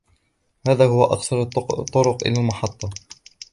هذا هو اقصر الطرق الى المحطة.